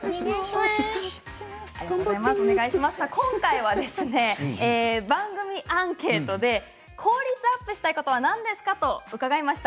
今回は番組アンケートで効率アップしたいことは何ですかと伺いました。